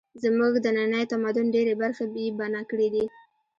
زموږ د ننني تمدن ډېرې برخې یې بنا کړې دي